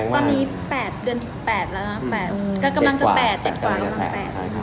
ตอนนี้๘เดือนที่๘แล้วนะ๘กำลังจะ๘๗กว่า